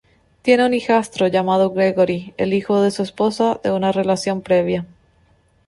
Tiene un hijastro llamado Gregory, el hijo de su esposa de una relación previa.